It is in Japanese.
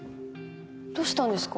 どうしたんですか？